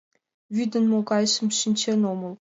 Вӱдын могайжым шинчен омыл.